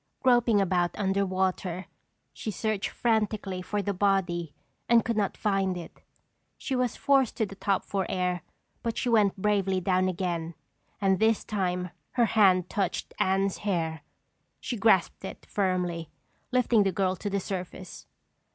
Groping about under water, she searched frantically for the body and could not find it. She was forced to the top for air but she went bravely down again and this time her hand touched Anne's hair. She grasped it firmly, lifting the girl to the surface.